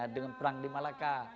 dengan perang di malaka